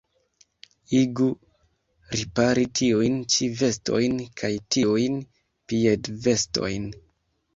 Igu ripari tiujn ĉi vestojn kaj tiujn piedvestojn.